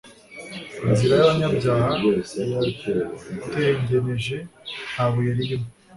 inzira y'abanyabyaha iratengeneje, nta buye ririmo